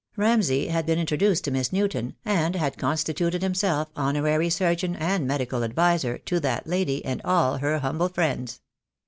Ramsay had been introduced to Miss Newton, and had constituted himself honorary surgeon and medical adviser to that lady and all her humble friends.